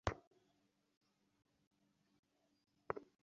সে কেবল বন্ধু।